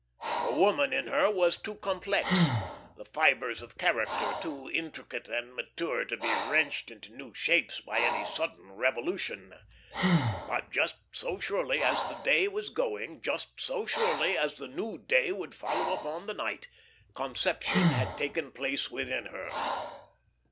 The woman in her was too complex, the fibres of character too intricate and mature to be wrenched into new shapes by any sudden revolution. But just so surely as the day was going, just so surely as the New Day would follow upon the night, conception had taken place within her.